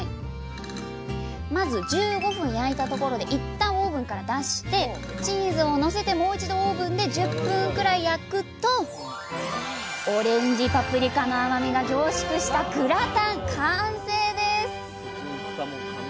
まず１５分焼いたところでいったんオーブンから出してチーズをのせてもう一度オーブンで１０分くらい焼くとオレンジパプリカの甘みが凝縮したグラタン完成です！